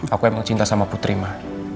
aku emang cinta sama putri mah